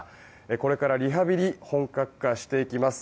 これからリハビリ本格化していきます。